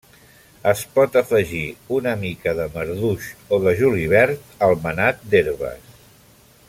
Es pot afegir una mica de marduix o de julivert al manat d'herbes.